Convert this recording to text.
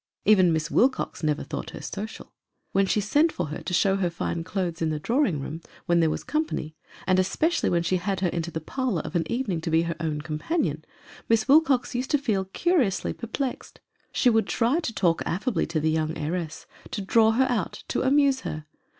Even Miss Wilcox never thought her social. When she sent for her to show her fine clothes in the drawing room when there was company, and especially when she had her into her parlor of an evening to be her own companion, Miss Wilcox used to feel curiously perplexed. She would try to talk affably to the young heiress, to draw her out, to amuse her.